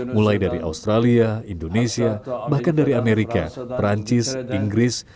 mulai dari australia indonesia bahkan dari amerika perancis inggris